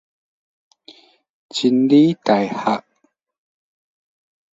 真理大學